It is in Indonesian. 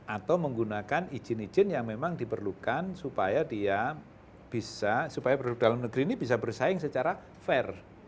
atau menggunakan izin izin yang memang diperlukan supaya dia bisa supaya produk dalam negeri ini bisa bersaing secara fair